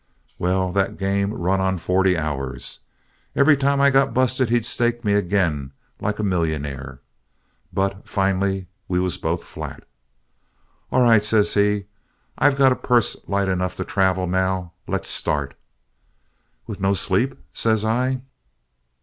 "Well, that game run on forty hours. Every time I got busted he staked me agin like a millionaire. But finally we was both flat. "'All right,' says he, 'I got a purse light enough for travel now. Let's start.' "'Without no sleep?' says I.